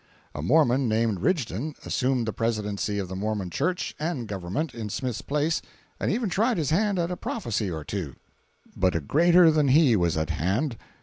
A Mormon named Rigdon assumed the Presidency of the Mormon church and government, in Smith's place, and even tried his hand at a prophecy or two. But a greater than he was at hand.